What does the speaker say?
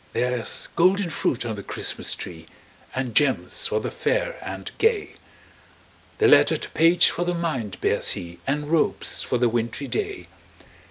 There's golden fruit on the Christmas tree, And gems for the fair and gay; The lettered page for the mind bears he, And robes for the wintry day.